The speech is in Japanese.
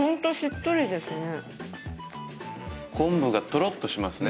昆布がとろっとしますね